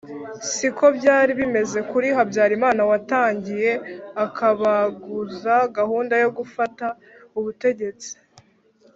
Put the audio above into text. siko byari bimeze kuri habyarimana watangiye akabaguza gahunda yo gufata ubutegetsi